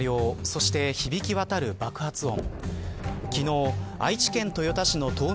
そして響きわたる爆発音。